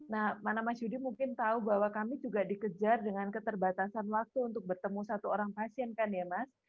nah mana mas yudi mungkin tahu bahwa kami juga dikejar dengan keterbatasan waktu untuk bertemu satu orang pasien kan ya mas